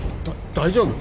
だ大丈夫？